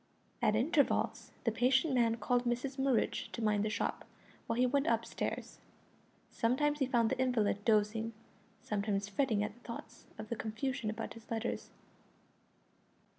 At intervals the patient man called Mrs Murridge to mind the shop, while he went up stairs. Sometimes he found the invalid dozing, sometimes fretting at the thoughts of the confusion about his letters.